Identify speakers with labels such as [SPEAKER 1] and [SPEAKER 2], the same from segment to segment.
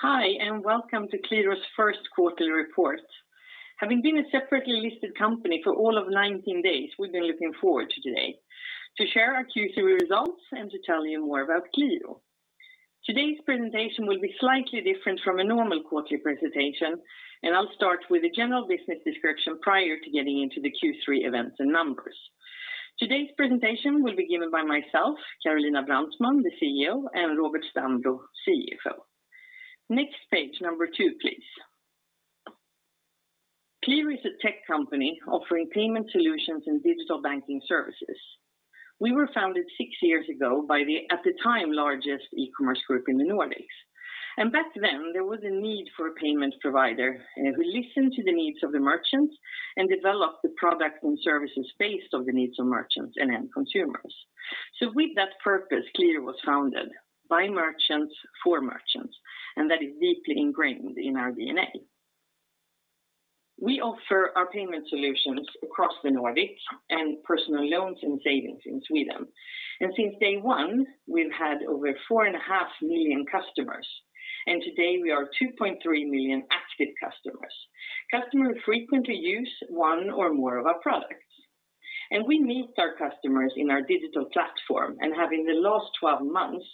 [SPEAKER 1] Hi, welcome to Qliro's first quarterly report. Having been a separately listed company for all of 19 days, we've been looking forward to today to share our Q3 results and to tell you more about Qliro. Today's presentation will be slightly different from a normal quarterly presentation. I'll start with a general business description prior to getting into the Q3 events and numbers. Today's presentation will be given by myself, Carolina Brandtman, the CEO, and Robert Stambro, CFO. Next page, number 2, please. Qliro is a tech company offering payment solutions and digital banking services. We were founded 6 years ago by the, at the time, largest e-commerce group in the Nordics. Back then, there was a need for a payment provider who listened to the needs of the merchants and developed the products and services based on the needs of merchants and end consumers. With that purpose, Qliro was founded by merchants for merchants, and that is deeply ingrained in our DNA. We offer our payment solutions across the Nordics and personal loans and savings in Sweden. Since day one, we've had over 4.5 million customers, and today we are 2.3 million active customers. Customers frequently use one or more of our products. We meet our customers in our digital platform and have, in the last 12 months,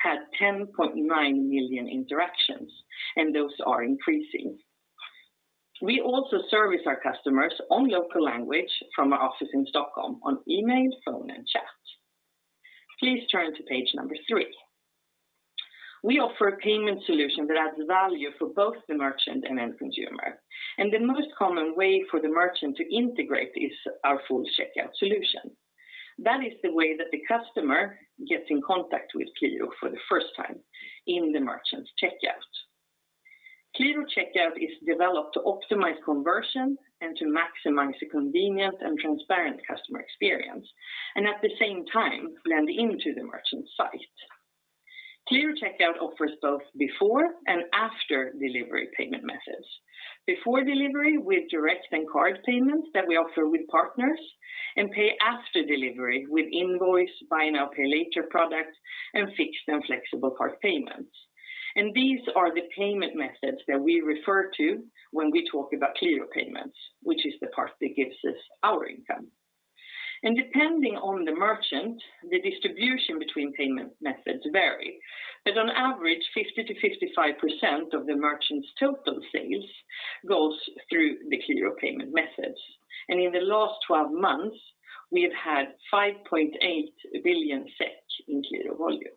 [SPEAKER 1] had 10.9 million interactions, and those are increasing. We also service our customers in their local language from our office in Stockholm on email, phone, and chat. Please turn to page number three. We offer a payment solution that adds value for both the merchant and end consumer. The most common way for the merchant to integrate is our full Qliro Checkout. That is the way that the customer gets in contact with Qliro for the first time, in the merchant's checkout. Qliro Checkout is developed to optimize conversion and to maximize a convenient and transparent customer experience, and at the same time, blend into the merchant's site. Qliro Checkout offers both before and after delivery payment methods. Before delivery with direct and card payments that we offer with partners, pay after delivery with invoice, buy now, pay later product, and fixed and flexible card payments. These are the payment methods that we refer to when we talk about Qliro payments, which is the part that gives us our income. Depending on the merchant, the distribution between payment methods vary. On average, 50%-55% of the merchant's total sales goes through the Qliro payment methods. In the last 12 months, we have had 5.8 billion SEK in Qliro volume.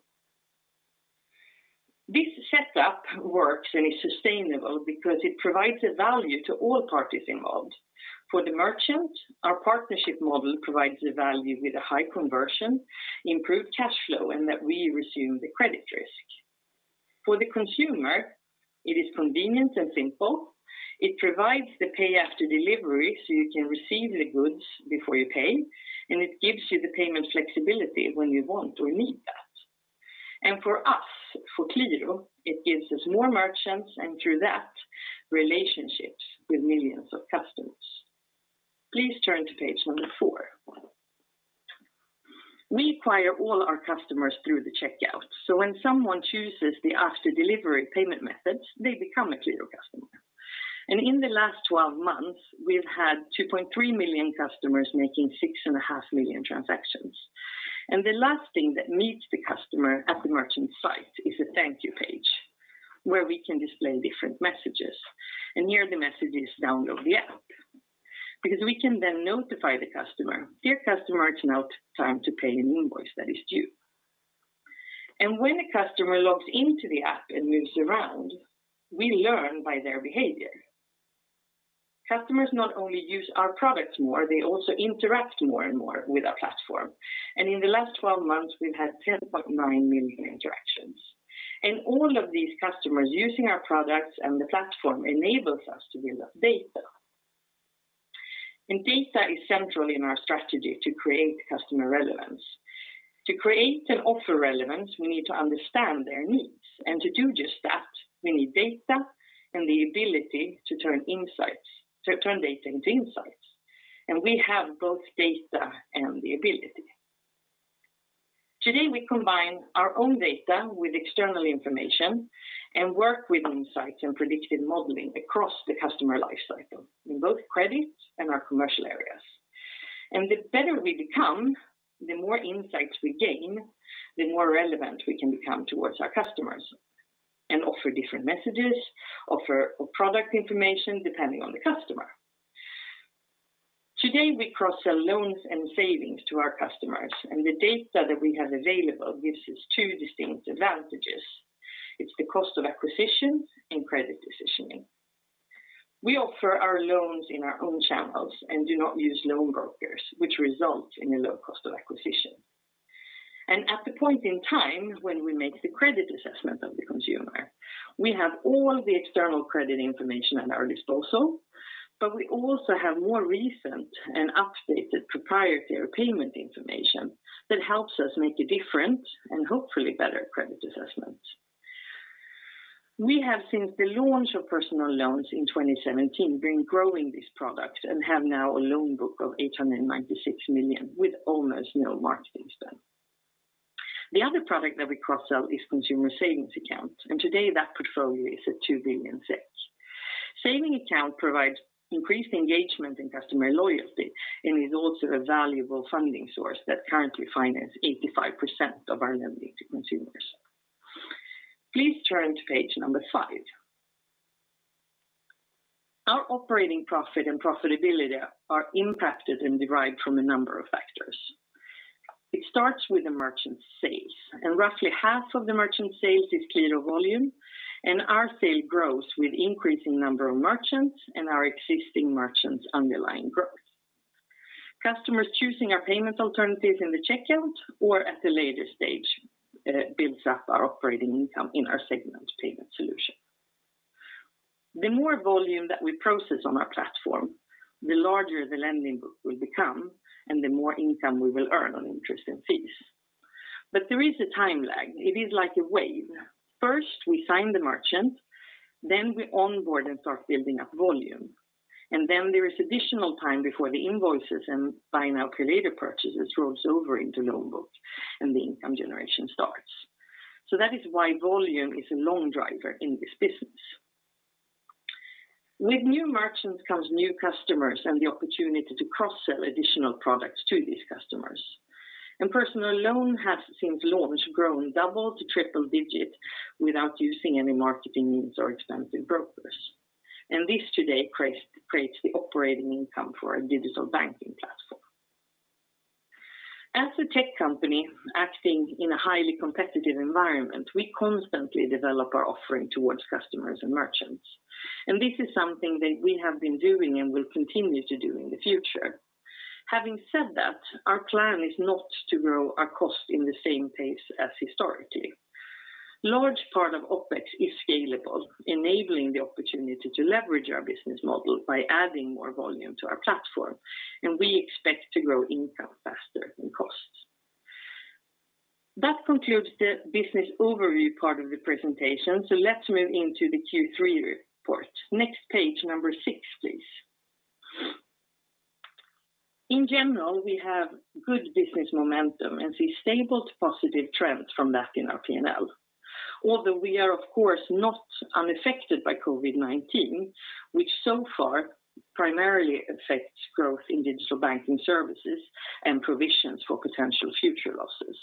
[SPEAKER 1] This setup works and is sustainable because it provides value to all parties involved. For the merchant, our partnership model provides the value with a high conversion, improved cash flow, and that we assume the credit risk. For the consumer, it is convenient and simple. It provides the pay after delivery, so you can receive the goods before you pay, and it gives you the payment flexibility when you want or need that. For us, for Qliro, it gives us more merchants, and through that, relationships with millions of customers. Please turn to page number four. We acquire all our customers through the checkout, so when someone chooses the after delivery payment method, they become a Qliro customer. In the last 12 months, we've had 2.3 million customers making 6.5 million transactions. The last thing that meets the customer at the merchant site is a thank you page where we can display different messages. Here, the message is, "Download the app." We can then notify the customer, "Dear customer, it's now time to pay an invoice that is due." When a customer logs into the app and moves around, we learn by their behavior. Customers not only use our products more, they also interact more and more with our platform. In the last 12 months, we've had 10.9 million interactions. All of these customers using our products and the platform enables us to build up data. Data is central in our strategy to create customer relevance. To create and offer relevance, we need to understand their needs. To do just that, we need data and the ability to turn data into insights. We have both data and the ability. Today, we combine our own data with external information and work with insights and predictive modeling across the customer life cycle in both credit and our commercial areas. The better we become, the more insights we gain, the more relevant we can become towards our customers and offer different messages, offer product information depending on the customer. Today, we cross-sell loans and savings to our customers, and the data that we have available gives us two distinct advantages. It is the cost of acquisition and credit decisioning. We offer our loans in our own channels and do not use loan brokers, which results in a low cost of acquisition. At the point in time when we make the credit assessment of the consumer, we have all the external credit information at our disposal, but we also have more recent and up-to-date proprietary payment information that helps us make a different and hopefully better credit assessment. We have, since the launch of personal loans in 2017, been growing this product and have now a loan book of 896 million, with almost no marketing spent. The other product that we cross-sell is consumer savings accounts, and today that portfolio is at 2.6 billion SEK. Saving account provides increased engagement and customer loyalty and is also a valuable funding source that currently finances 85% of our lending to consumers. Please turn to page 5. Our operating profit and profitability are impacted and derived from a number of factors. It starts with the merchant sales and roughly half of the merchant sales is Qliro volume and our sale grows with increasing number of merchants and our existing merchants' underlying growth. Customers choosing our payments alternatives in the checkout or at a later stage builds up our operating income in our segment Payment Solution. The more volume that we process on our platform, the larger the lending book will become and the more income we will earn on interest and fees. There is a time lag. It is like a wave. First, we sign the merchant, then we onboard and start building up volume, and then there is additional time before the invoices and buy now pay later purchases rolls over into loan book and the income generation starts. That is why volume is a long driver in this business. With new merchants comes new customers and the opportunity to cross-sell additional products to these customers. Personal loan has, since launch, grown double to triple digit without using any marketing means or expensive brokers. This today creates the operating income for our digital banking platform. As a tech company acting in a highly competitive environment, we constantly develop our offering towards customers and merchants. This is something that we have been doing and will continue to do in the future. Having said that, our plan is not to grow our cost in the same pace as historically. Large part of OpEx is scalable, enabling the opportunity to leverage our business model by adding more volume to our platform, and we expect to grow income faster than costs. That concludes the business overview part of the presentation. Let's move into the Q3 report. Next page, number six, please. In general, we have good business momentum and see stable to positive trends from that in our P&L. We are, of course, not unaffected by COVID-19, which so far primarily affects growth in digital banking services and provisions for potential future losses.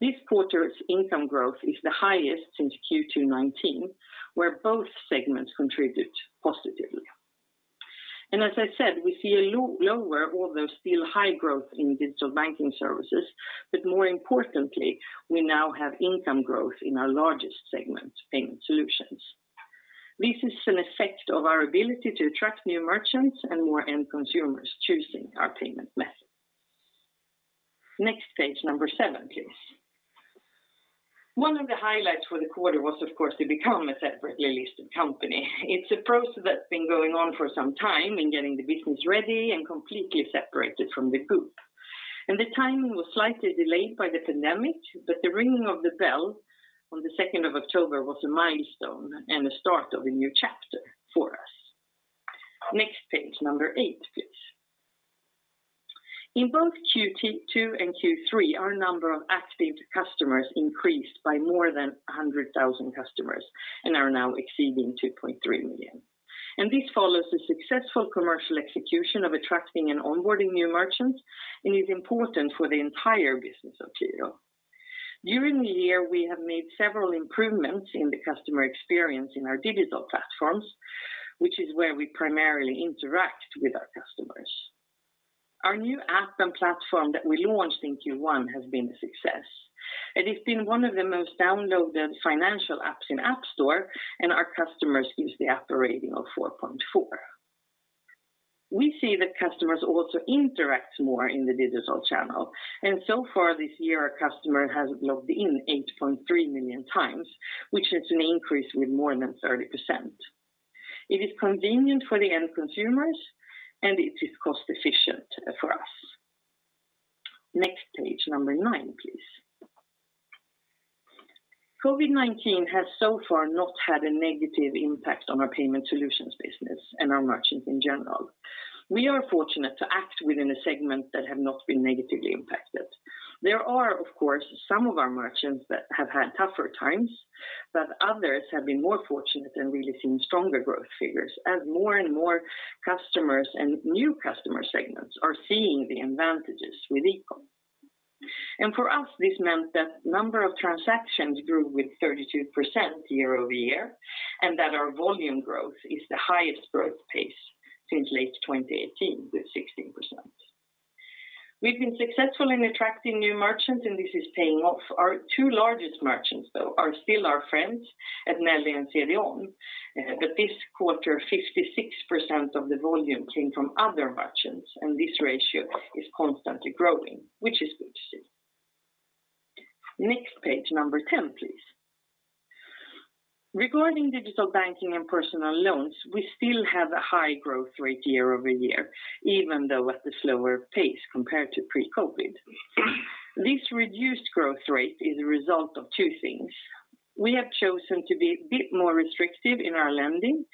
[SPEAKER 1] This quarter's income growth is the highest since Q2 2019, where both segments contribute positively. As I said, we see a lower, although still high growth in digital banking services, more importantly, we now have income growth in our largest segment, payment solutions. This is an effect of our ability to attract new merchants and more end consumers choosing our payment method. Next page, number seven, please. One of the highlights for the quarter was, of course, to become a separately listed company. It's a process that's been going on for some time in getting the business ready and completely separated from the group. The timing was slightly delayed by the pandemic, but the ringing of the bell on the 2nd of October was a milestone and the start of a new chapter for us. Next page, number 8, please. In both Q2 and Q3, our number of active customers increased by more than 100,000 customers and are now exceeding 2.3 million. This follows the successful commercial execution of attracting and onboarding new merchants and is important for the entire business of Qliro. During the year, we have made several improvements in the customer experience in our digital platforms, which is where we primarily interact with our customers. Our new app and platform that we launched in Q1 has been a success, it's been one of the most downloaded financial apps in App Store, and our customers give the app a rating of 4.4. We see that customers also interact more in the digital channel, so far this year, our customer has logged in 8.3 million times, which is an increase with more than 30%. It is convenient for the end consumers, it is cost efficient for us. Next page, number 9, please. COVID-19 has so far not had a negative impact on our payment solutions business and our merchants in general. We are fortunate to act within a segment that have not been negatively impacted. There are, of course, some of our merchants that have had tougher times, but others have been more fortunate and we've seen stronger growth figures as more and more customers and new customer segments are seeing the advantages with eCom. For us, this meant that number of transactions grew with 32% year-over-year, and that our volume growth is the highest growth pace since late 2018 with 16%. We've been successful in attracting new merchants, and this is paying off. Our two largest merchants, though, are still our friends at Nelly and CDON, but this quarter, 56% of the volume came from other merchants, and this ratio is constantly growing, which is good to see. Next page, number 10, please. Regarding digital banking and personal loans, we still have a high growth rate year-over-year, even though at a slower pace compared to pre-COVID. This reduced growth rate is a result of two things. We have chosen to be a bit more restrictive in our lending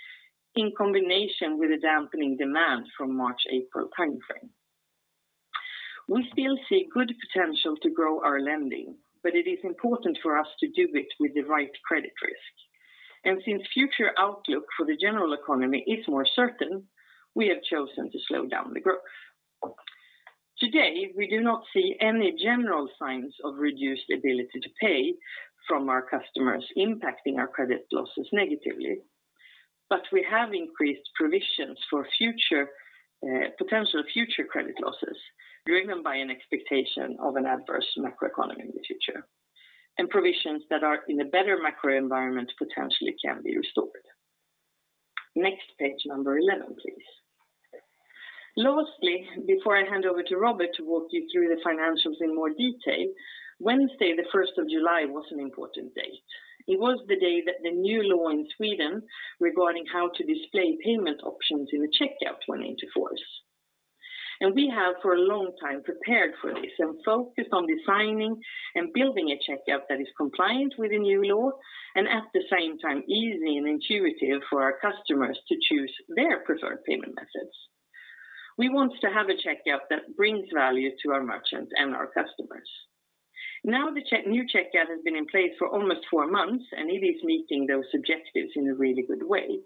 [SPEAKER 1] in combination with the dampening demand from March, April timeframe. We still see good potential to grow our lending, but it is important for us to do it with the right credit risk. Since future outlook for the general economy is more uncertain, we have chosen to slow down the growth. Today, we do not see any general signs of reduced ability to pay from our customers impacting our credit losses negatively. We have increased provisions for potential future credit losses, driven by an expectation of an adverse macroeconomy in the future, and provisions that are in a better macro environment potentially can be restored. Next page, number 11, please. Lastly, before I hand over to Robert to walk you through the financials in more detail, Wednesday the 1st of July was an important date. It was the day that the new law in Sweden regarding how to display payment options in the checkout went into force. We have, for a long time, prepared for this and focused on designing and building a checkout that is compliant with the new law and at the same time easy and intuitive for our customers to choose their preferred payment methods. We want to have a checkout that brings value to our merchants and our customers. Now the new checkout has been in place for almost four months. It is meeting those objectives in a really good way.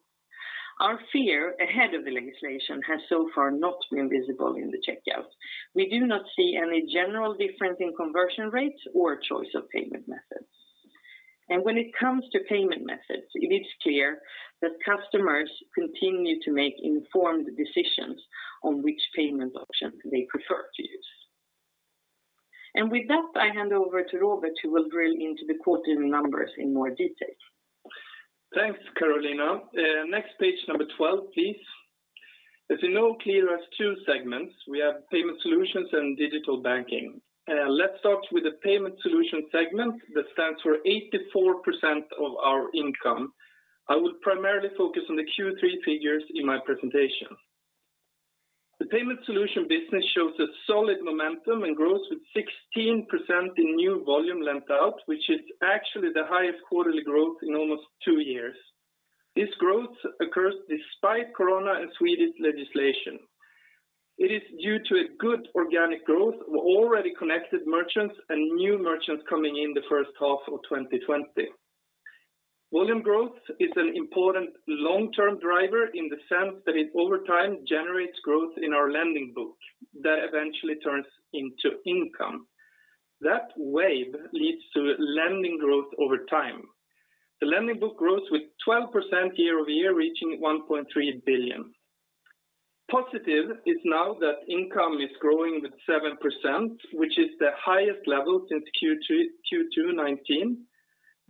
[SPEAKER 1] Our fear ahead of the legislation has so far not been visible in the checkout. We do not see any general difference in conversion rates or choice of payment methods. When it comes to payment methods, it is clear that customers continue to make informed decisions on which payment option they prefer to use. With that, I hand over to Robert, who will drill into the quarterly numbers in more detail.
[SPEAKER 2] Thanks, Carolina. Next page, number 12, please. As you know, Qliro has two segments. We have Payment Solutions and Digital Banking. Let's start with the Payment Solutions segment that stands for 84% of our income. I will primarily focus on the Q3 figures in my presentation. The Payment Solutions business shows a solid momentum and grows with 16% in new volume lent out, which is actually the highest quarterly growth in almost two years. This growth occurs despite Corona and Swedish legislation. It is due to a good organic growth of already connected merchants and new merchants coming in the first half of 2020. Volume growth is an important long-term driver in the sense that it, over time, generates growth in our lending book that eventually turns into income. That wave leads to lending growth over time. The lending book grows with 12% year-over-year, reaching 1.3 billion. Positive is now that income is growing with 7%, which is the highest level since Q2 2019.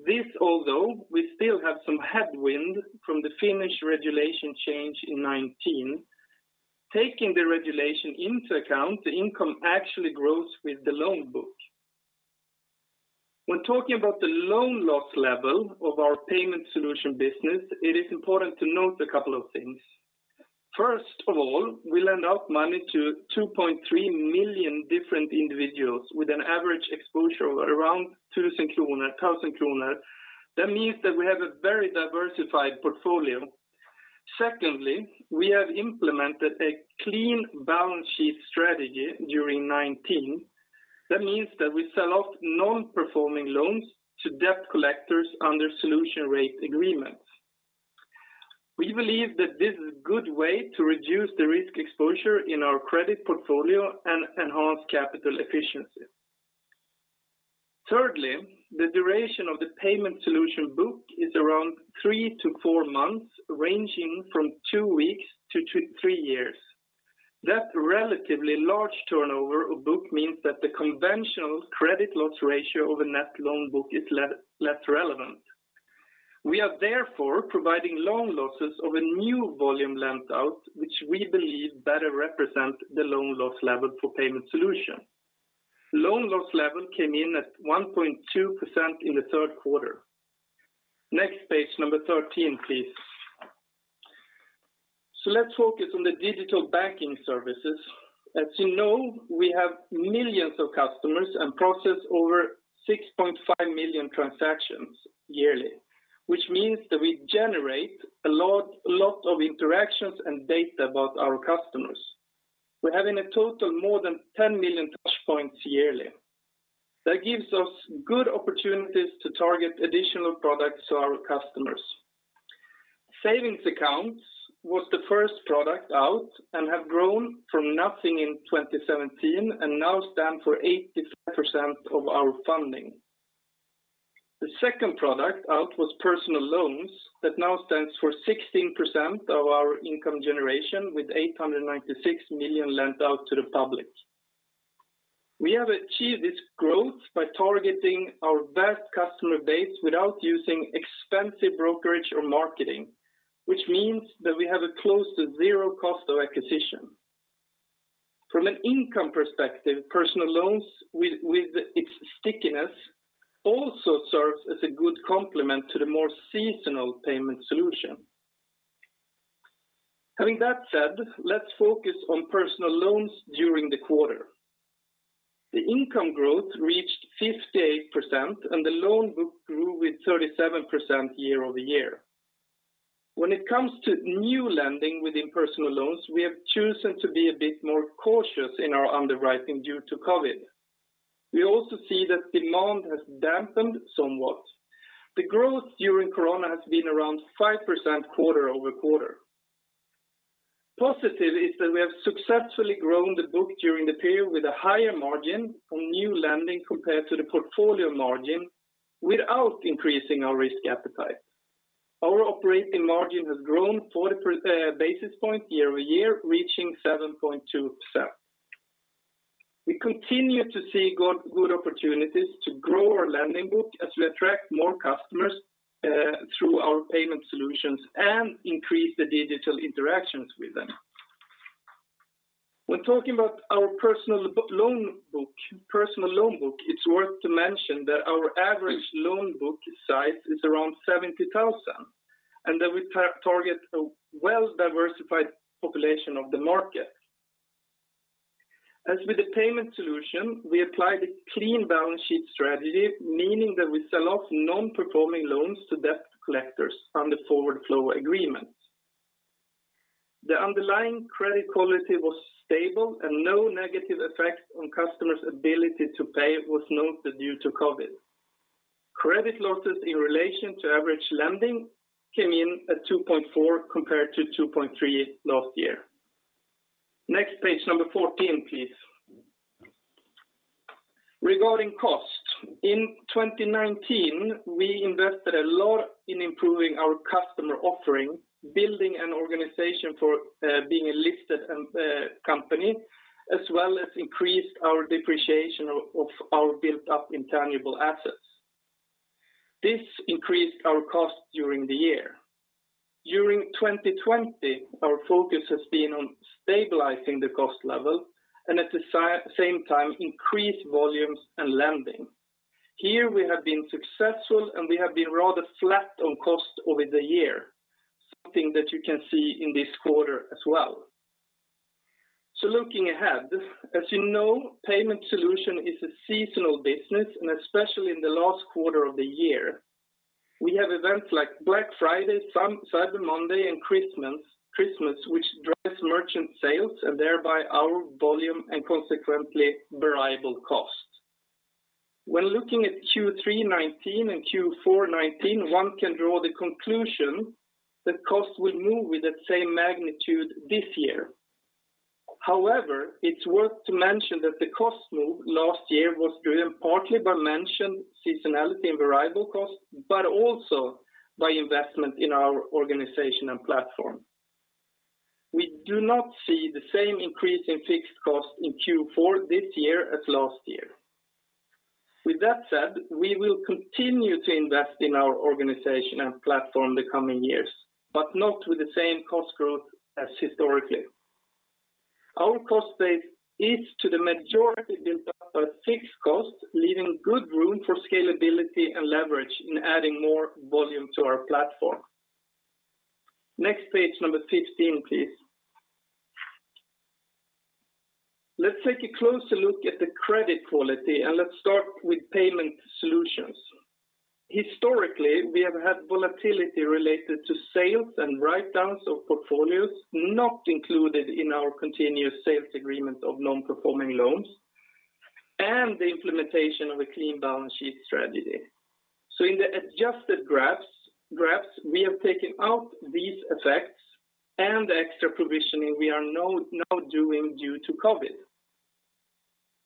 [SPEAKER 2] This although we still have some headwind from the Finnish regulation change in 2019. Taking the regulation into account, the income actually grows with the loan book. When talking about the loan loss level of our payment solution business, it is important to note a couple of things. First of all, we lend out money to 2.3 million different individuals with an average exposure of around 1,000 kronor. That means that we have a very diversified portfolio. Secondly, we have implemented a clean balance sheet strategy during 2019. That means that we sell off non-performing loans to debt collectors under forward flow agreements. We believe that this is a good way to reduce the risk exposure in our credit portfolio and enhance capital efficiency. Thirdly, the duration of the payment solution book is around three to four months, ranging from two weeks to three years. That relatively large turnover of book means that the conventional credit loss ratio of a net loan book is less relevant. We are therefore providing loan losses of a new volume lent out, which we believe better represent the loan loss level for payment solution. Loan loss level came in at 1.2% in the third quarter. Next page, number 13, please. Let's focus on the digital banking services. As you know, we have millions of customers and process over 6.5 million transactions yearly, which means that we generate a lot of interactions and data about our customers. We're having a total more than 10 million touchpoints yearly. That gives us good opportunities to target additional products to our customers. Savings accounts was the first product out and have grown from nothing in 2017 and now stand for 85% of our funding. The second product out was personal loans that now stands for 16% of our income generation, with 896 million lent out to the public. We have achieved this growth by targeting our vast customer base without using expensive brokerage or marketing, which means that we have a close to zero cost of acquisition. From an income perspective, personal loans with its stickiness also serves as a good complement to the more seasonal payment solution. Having that said, let's focus on personal loans during the quarter. The income growth reached 58% and the loan book grew with 37% year-over-year. When it comes to new lending within personal loans, we have chosen to be a bit more cautious in our underwriting due to COVID. We also see that demand has dampened somewhat. The growth during COVID-19 has been around 5% quarter-over-quarter. Positive is that we have successfully grown the book during the period with a higher margin on new lending compared to the portfolio margin without increasing our risk appetite. Our operating margin has grown 40 basis points year-over-year, reaching 7.2%. We continue to see good opportunities to grow our lending book as we attract more customers through our payment solutions and increase the digital interactions with them. When talking about our personal loan book, it's worth to mention that our average loan book size is around 70,000 and that we target a well-diversified population of the market. As with the payment solution, we apply the clean balance sheet strategy, meaning that we sell off non-performing loans to debt collectors under forward flow agreements. The underlying credit quality was stable and no negative effect on customers' ability to pay was noted due to COVID-19. Credit losses in relation to average lending came in at 2.4% compared to 2.3% last year. Page number 14, please. Regarding cost, in 2019, we invested a lot in improving our customer offering, building an organization for being a listed company, as well as increased our depreciation of our built-up intangible assets. This increased our cost during the year. During 2020, our focus has been on stabilizing the cost level and at the same time increase volumes and lending. Here we have been successful and we have been rather flat on cost over the year, something that you can see in this quarter as well. Looking ahead, as you know, payment solution is a seasonal business and especially in the last quarter of the year. We have events like Black Friday, Cyber Monday and Christmas, which drives merchant sales and thereby our volume and consequently variable cost. When looking at Q3 2019 and Q4 2019, one can draw the conclusion that cost will move with the same magnitude this year. However, it's worth to mention that the cost move last year was driven partly by mentioned seasonality and variable cost, but also by investment in our organization and platform. We do not see the same increase in fixed cost in Q4 this year as last year. With that said, we will continue to invest in our organization and platform the coming years, but not with the same cost growth as historically. Our cost base is to the majority built up by fixed costs, leaving good room for scalability and leverage in adding more volume to our platform. Next page, number 15, please. Let's take a closer look at the credit quality and let's start with payment solutions. Historically, we have had volatility related to sales and write-downs of portfolios not included in our continuous sales agreement of non-performing loans and the implementation of a clean balance sheet strategy. In the adjusted graphs, we have taken out these effects and the extra provisioning we are now doing due to COVID-19.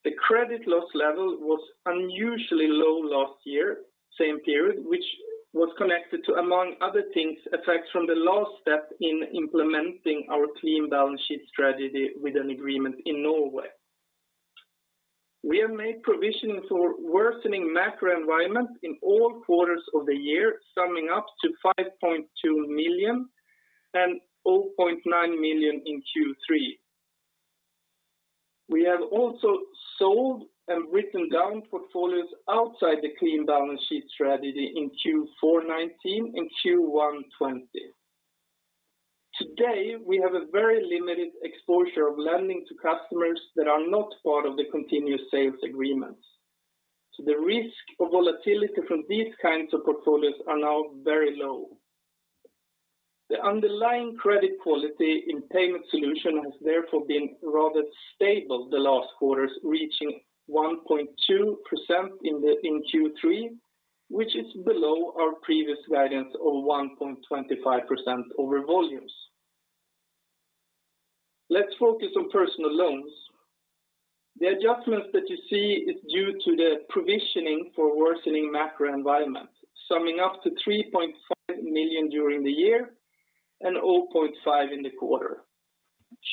[SPEAKER 2] The credit loss level was unusually low last year, same period, which was connected to, among other things, effects from the last step in implementing our clean balance sheet strategy with an agreement in Norway. We have made provisioning for worsening macro environment in all quarters of the year, summing up to 5.2 million and 0.9 million in Q3. We have also sold and written down portfolios outside the clean balance sheet strategy in Q4 2019 and Q1 2020. Today, we have a very limited exposure of lending to customers that are not part of the continuous sales agreements. The risk of volatility from these kinds of portfolios are now very low. The underlying credit quality in payment solution has therefore been rather stable the last quarters, reaching 1.2% in Q3, which is below our previous guidance of 1.25% over volumes. Let's focus on personal loans. The adjustments that you see is due to the provisioning for worsening macro environment, summing up to 3.5 million during the year and 0.5 million in the quarter.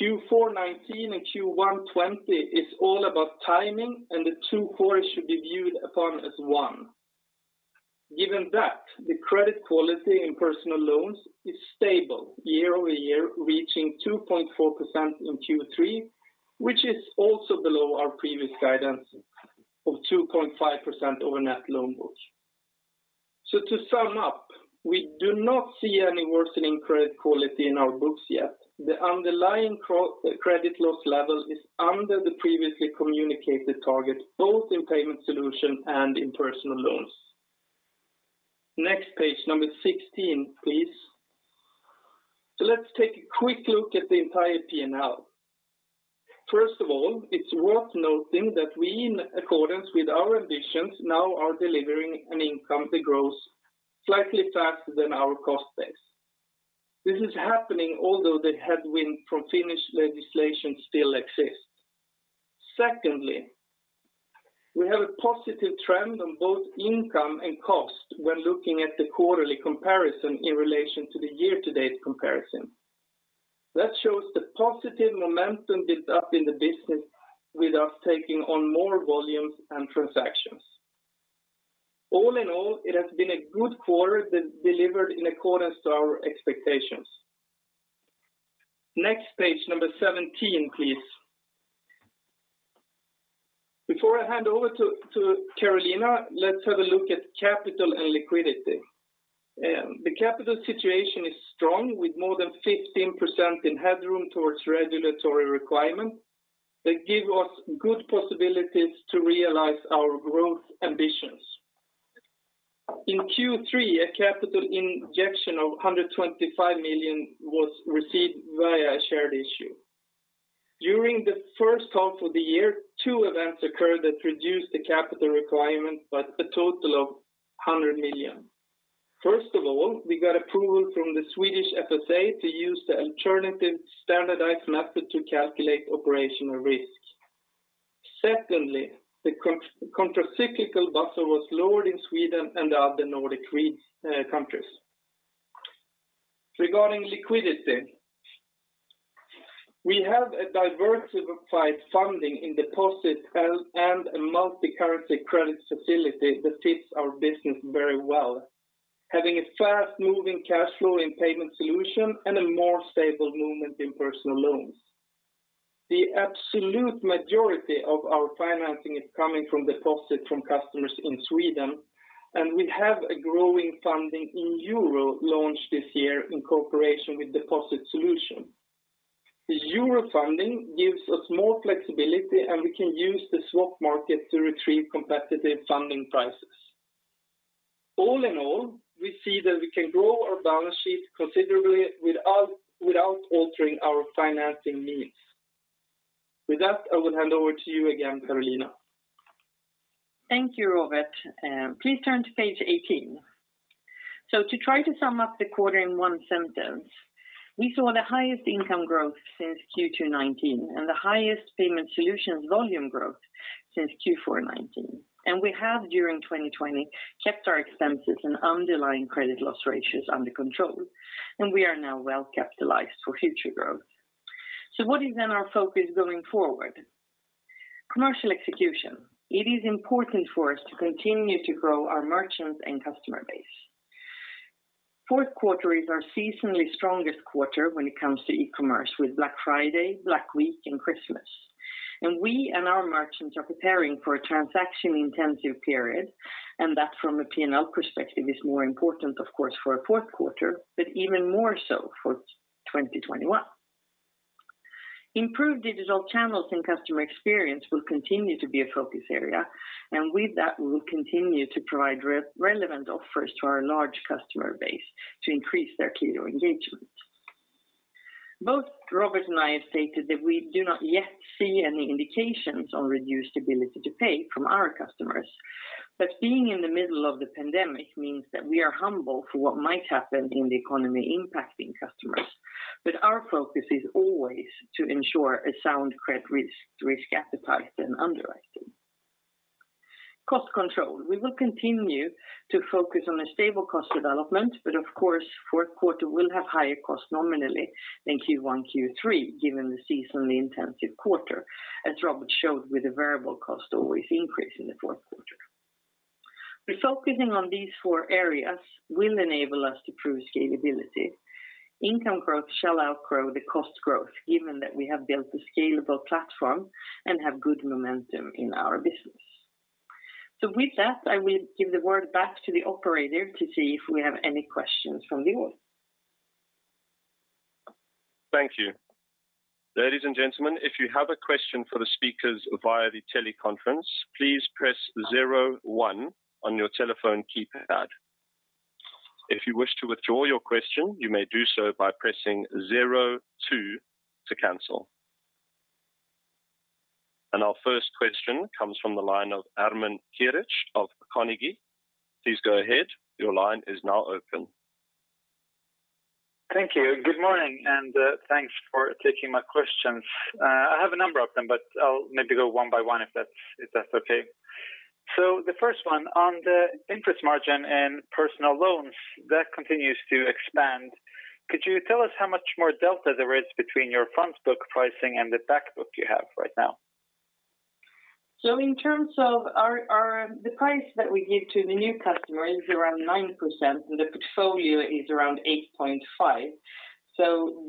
[SPEAKER 2] Q4 2019 and Q1 2020 is all about timing and the two quarters should be viewed upon as one. Given that, the credit quality in personal loans is stable year-over-year, reaching 2.4% in Q3, which is also below our previous guidance of 2.5% over net loan book. To sum up, we do not see any worsening credit quality in our books yet. The underlying credit loss level is under the previously communicated target, both in payment solution and in personal loans. Next page, number 16, please. Let's take a quick look at the entire P&L. First of all, it's worth noting that we, in accordance with our ambitions, now are delivering an income that grows slightly faster than our cost base. This is happening although the headwind from Finnish legislation still exists. Secondly, we have a positive trend on both income and cost when looking at the quarterly comparison in relation to the year-to-date comparison. That shows the positive momentum built up in the business with us taking on more volumes and transactions. All in all, it has been a good quarter that delivered in accordance to our expectations. Next page, number 17, please. Before I hand over to Carolina, let's have a look at capital and liquidity. The capital situation is strong with more than 15% in headroom towards regulatory requirements that give us good possibilities to realize our growth ambitions. In Q3, a capital injection of 125 million was received via a share issue. During the first half of the year, two events occurred that reduced the capital requirement by a total of 100 million. First of all, we got approval from the Swedish FSA to use the Alternative Standardised Approach to calculate operational risk. Secondly, the countercyclical buffer was lowered in Sweden and other Nordic countries. Regarding liquidity, we have a diversified funding in deposit base and a multi-currency credit facility that fits our business very well, having a fast-moving cash flow in payment solution and a more stable movement in personal loans. The absolute majority of our financing is coming from deposit from customers in Sweden, and we have a growing funding in EUR launched this year in cooperation with Deposit Solutions. The EUR funding gives us more flexibility, and we can use the swap market to retrieve competitive funding prices. All in all, we see that we can grow our balance sheet considerably without altering our financing needs. With that, I will hand over to you again, Carolina.
[SPEAKER 1] Thank you, Robert. Please turn to page 18. To try to sum up the quarter in one sentence, we saw the highest income growth since Q2 2019 and the highest payment solutions volume growth since Q4 2019. We have, during 2020, kept our expenses and underlying credit loss ratios under control, and we are now well-capitalized for future growth. What is our focus going forward? Commercial execution. It is important for us to continue to grow our merchants and customer base. Fourth quarter is our seasonally strongest quarter when it comes to e-commerce with Black Friday, Black Week, and Christmas. We and our merchants are preparing for a transaction-intensive period, and that from a P&L perspective is more important, of course, for a fourth quarter, but even more so for 2021. Improved digital channels and customer experience will continue to be a focus area, and with that, we will continue to provide relevant offers to our large customer base to increase their Qliro engagement. Both Robert and I have stated that we do not yet see any indications on reduced ability to pay from our customers. Being in the middle of the pandemic means that we are humble for what might happen in the economy impacting customers. Our focus is always to ensure a sound credit risk appetite and underwriting. Cost control. We will continue to focus on a stable cost development, but of course, fourth quarter will have higher cost nominally than Q1, Q3, given the seasonally intensive quarter, as Robert showed with the variable cost always increase in the fourth quarter. Focusing on these four areas will enable us to prove scalability. Income growth shall outgrow the cost growth, given that we have built a scalable platform and have good momentum in our business. With that, I will give the word back to the operator to see if we have any questions from the audience.
[SPEAKER 3] Thank you. Ladies and gentlemen, if you have a question for the speakers via the teleconference, please press 01 on your telephone keypad. If you wish to withdraw your question, you may do so by pressing 02 to cancel. Our first question comes from the line of Ermin Keric of Carnegie. Please go ahead. Your line is now open.
[SPEAKER 4] Thank you. Good morning, and thanks for taking my questions. I have a number of them, but I'll maybe go one by one if that's okay. The first one on the interest margin and personal loans, that continues to expand. Could you tell us how much more delta there is between your front book pricing and the back book you have right now?
[SPEAKER 1] In terms of the price that we give to the new customer is around 9%, and the portfolio is around 8.5%.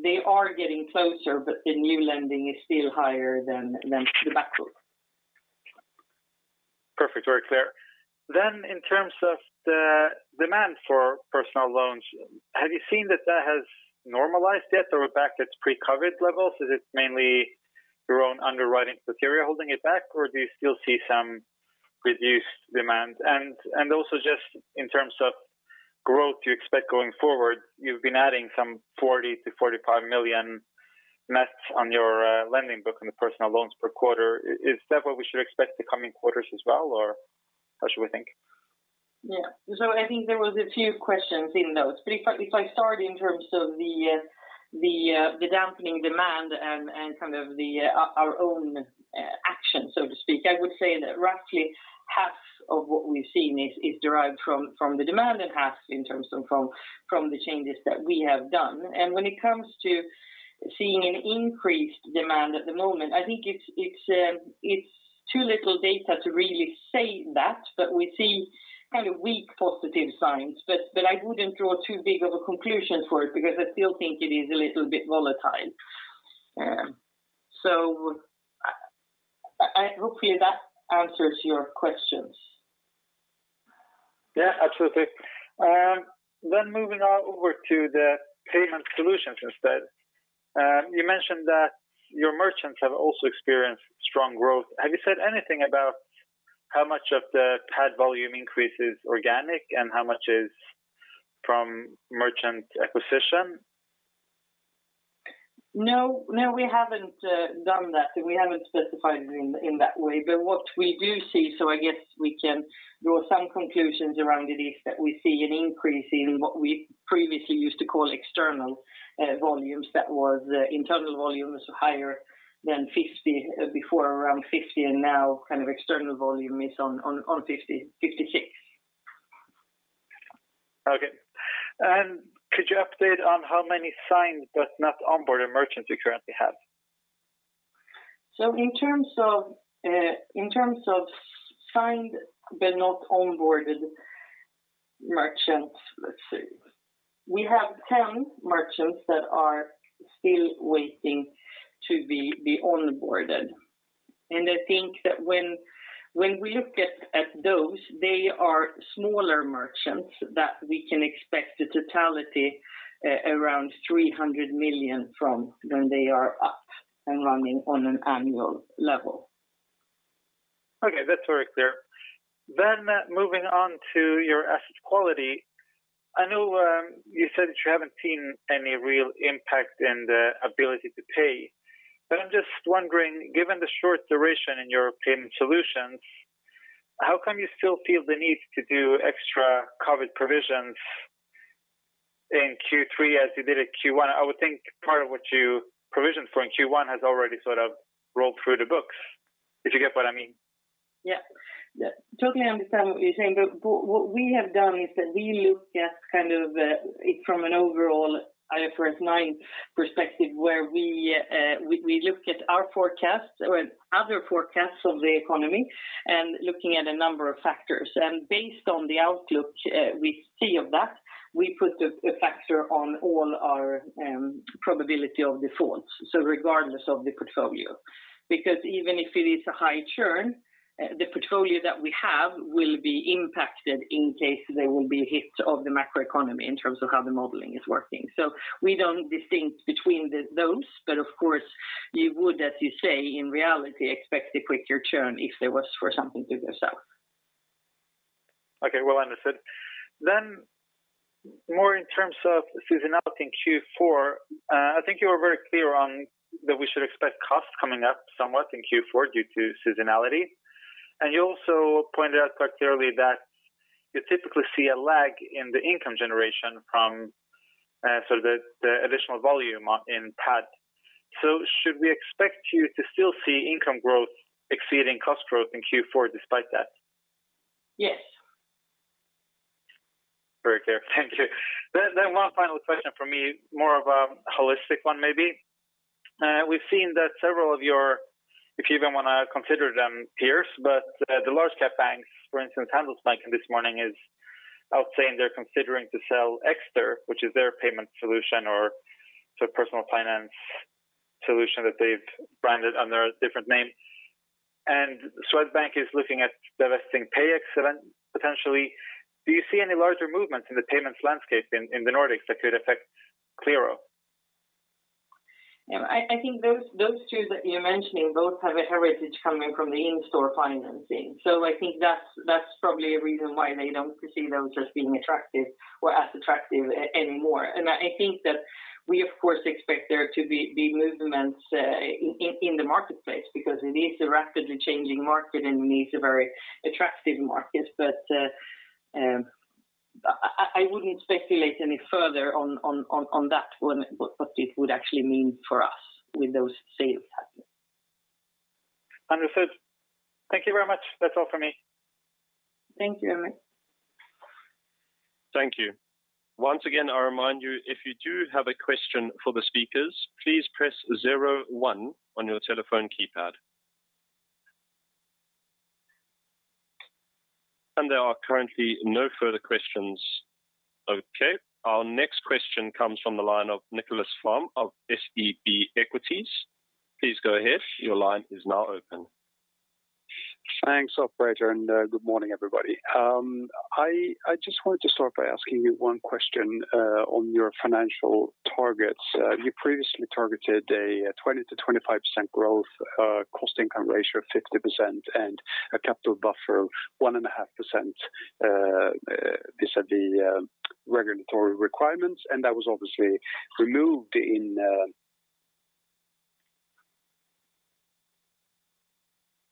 [SPEAKER 1] They are getting closer, but the new lending is still higher than the back book.
[SPEAKER 4] Perfect. Very clear. In terms of the demand for personal loans, have you seen that that has normalized yet or back at pre-COVID-19 levels? Is it mainly your own underwriting criteria holding it back, or do you still see some reduced demand? Also just in terms of growth you expect going forward, you've been adding some 40 million-45 million net on your lending book on the personal loans per quarter. Is that what we should expect the coming quarters as well, or how should we think?
[SPEAKER 1] Yeah. I think there was a few questions in those, but if I start in terms of the dampening demand and kind of our own action, so to speak, I would say that roughly half of what we've seen is derived from the demand and half in terms of from the changes that we have done. When it comes to seeing an increased demand at the moment, I think it's too little data to really say that, but we see kind of weak positive signs. I wouldn't draw too big of a conclusion for it because I still think it is a little bit volatile. Hopefully that answers your questions.
[SPEAKER 4] Yeah, absolutely. Moving on over to the payment solutions instead. You mentioned that your merchants have also experienced strong growth. Have you said anything about how much of the PAD volume increase is organic and how much is from merchant acquisition?
[SPEAKER 1] We haven't done that. We haven't specified it in that way. What we do see, I guess we can draw some conclusions around it, is that we see an increase in what we previously used to call external volumes. That was internal volumes higher than 50, before around 50, now kind of external volume is on 56.
[SPEAKER 4] Okay. Could you update on how many signed but not onboarded merchants you currently have?
[SPEAKER 1] In terms of signed but not onboarded merchants, let's see. We have 10 merchants that are still waiting to be onboarded, and I think that when we look at those, they are smaller merchants that we can expect a totality around 300 million from when they are up and running on an annual level.
[SPEAKER 4] Okay, that's very clear. Moving on to your asset quality, I know you said that you haven't seen any real impact in the ability to pay, but I'm just wondering, given the short duration in your payment solutions, how come you still feel the need to do extra COVID provisions in Q3 as you did at Q1? I would think part of what you provisioned for in Q1 has already sort of rolled through the books. Did you get what I mean?
[SPEAKER 1] Yeah. Totally understand what you're saying. What we have done is that we look at kind of it from an overall IFRS 9 perspective, where we look at our forecasts or other forecasts of the economy and looking at a number of factors. Based on the outlook we see of that, we put a factor on all our probability of defaults, so regardless of the portfolio. Even if it is a high churn, the portfolio that we have will be impacted in case there will be a hit of the macroeconomy in terms of how the modeling is working. We don't distinct between those, but of course you would, as you say, in reality expect a quicker churn if there was for something to go south.
[SPEAKER 4] Okay, well understood. More in terms of seasonality in Q4, I think you were very clear on that we should expect costs coming up somewhat in Q4 due to seasonality, and you also pointed out quite clearly that you typically see a lag in the income generation from the additional volume in PAD. Should we expect you to still see income growth exceeding cost growth in Q4 despite that?
[SPEAKER 1] Yes.
[SPEAKER 4] Very clear. Thank you. One final question from me, more of a holistic one maybe. We've seen that several of your, if you even want to consider them peers, but the large cap banks, for instance, Handelsbanken this morning is out saying they're considering to sell Ecster, which is their payment solution or personal finance solution that they've branded under a different name. Swedbank is looking at divesting PayEx potentially. Do you see any larger movements in the payments landscape in the Nordics that could affect Qliro?
[SPEAKER 1] I think those two that you're mentioning both have a heritage coming from the in-store financing. I think that's probably a reason why they don't perceive those as being attractive or as attractive anymore. I think that we, of course, expect there to be movements in the marketplace because it is a rapidly changing market and it's a very attractive market. I wouldn't speculate any further on that one, what it would actually mean for us with those sales happening.
[SPEAKER 4] Understood. Thank you very much. That's all for me.
[SPEAKER 1] Thank you, Ermin.
[SPEAKER 3] Thank you. Once again, I remind you if you do have a question for the speakers, please press zero one on your telephone keypad. There are currently no further questions. Okay. Our next question comes from the line of Nicklas Fhärm of SEB Equities. Please go ahead. Your line is now open.
[SPEAKER 5] Thanks, operator. Good morning, everybody. I just wanted to start by asking you one question on your financial targets. You previously targeted a 20%-25% growth, cost income ratio of 50%, and a capital buffer of 1.5% vis-à-vis regulatory requirements. That was obviously removed in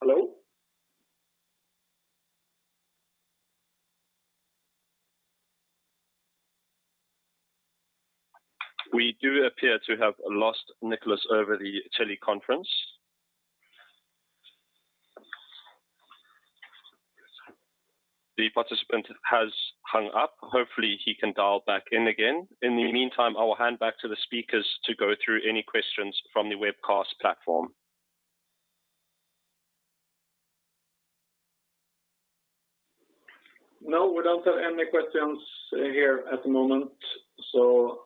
[SPEAKER 5] Hello?
[SPEAKER 3] We do appear to have lost Nicklas over the teleconference. Hopefully, he can dial back in again. In the meantime, I will hand back to the speakers to go through any questions from the webcast platform.
[SPEAKER 2] No, we don't have any questions here at the moment.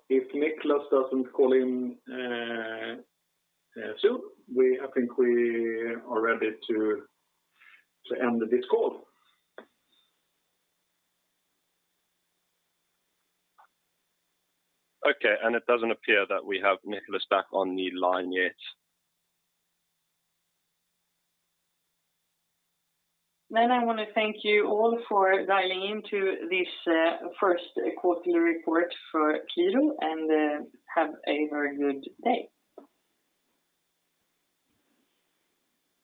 [SPEAKER 2] If Nicklas doesn't call in soon, I think we are ready to end this call.
[SPEAKER 3] Okay, it doesn't appear that we have Nicklas back on the line yet.
[SPEAKER 1] I want to thank you all for dialing in to this first quarterly report for Qliro and have a very good day.